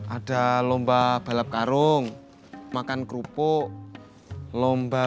ada lomba balap karung makan kerupuk lomba